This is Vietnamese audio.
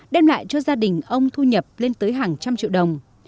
đem lại cho gia đình ông thu nhập lên tới hàng trăm triệu đồng